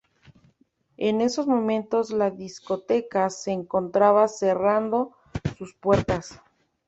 En esos momentos la discoteca se encontraba cerrando sus puertas.